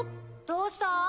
どうした？